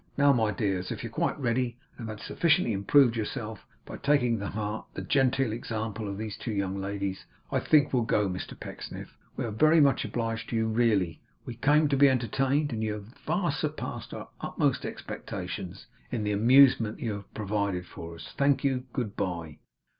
Now, my dears, if you're quite ready, and have sufficiently improved yourselves by taking to heart the genteel example of these two young ladies, I think we'll go. Mr Pecksniff, we are very much obliged to you, really. We came to be entertained, and you have far surpassed our utmost expectations, in the amusement you have provided for us. Thank you. Good bye!